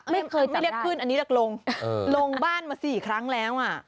ไม่เคยที่เรียกขึ้นอันนี้เรียกลงลงบ้านมาสี่ครั้งแล้วอ่ะ